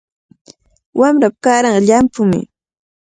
Wamrapa kaaranqa llampumi.